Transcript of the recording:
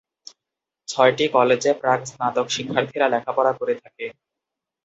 ছয়টি কলেজে প্রাক-স্নাতক শিক্ষার্থীরা লেখাপড়া করে থাকে।